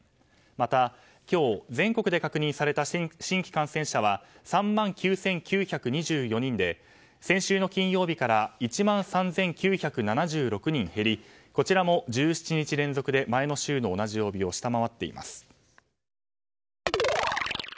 また、今日全国で確認された新規感染者は３万９９２４人で先週の金曜日から１万３９７６人減りこちらも１７日連続で前の週の同じ曜日を下回っています。